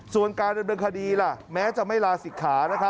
ส่วนการบริกฎีแม้จะไม่ลาศิกขา